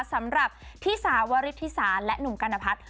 สำหรับที่สาววริสที่สาและหนุ่มกัณฑัฐ